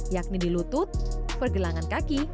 yakni di lutut pergelangan kaki